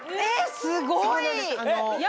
すごい！